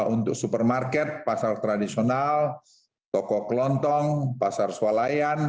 untuk supermarket pasar tradisional toko kelontong pasar sualayan